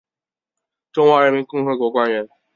中华人民共和国官员。